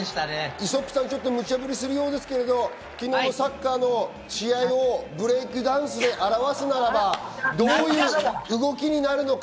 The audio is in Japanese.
ＩＳＯＰＰさん、ムチャブリしますけど、昨日のサッカーの試合をブレイクダンスで表すならば、どういう動きになるか。